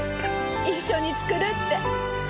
一緒に作るって。